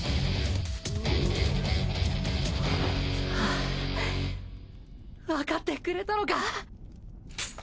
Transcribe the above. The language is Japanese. はぁわかってくれたのか？